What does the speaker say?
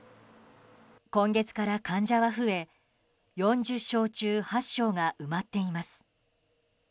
今月から患者は増え４０床中８床が埋まっています。